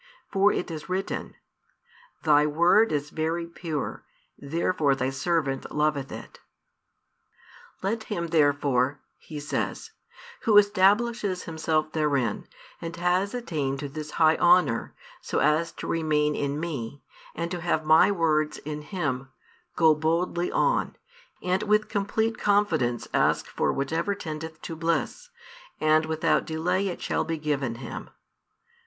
For it is written: Thy word is very pure: therefore Thy servant loveth it. " Let him therefore," He says, "who establishes himself therein, and has attained to this high honour, so as to remain in Me, and to have My words in him, go boldly on, and with complete confidence ask for whatever tendeth to bliss, and without delay it shall be given him.